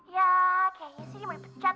ya kayaknya sih dia mau dipecat